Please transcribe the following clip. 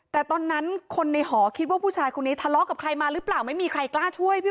แต่ตอนนั้นคนในหอคิดว่าผู้ชายคนนี้ทะเลาะกับใครมาหรือเปล่าไม่มีใครกล้าช่วยพี่